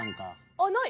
あっない。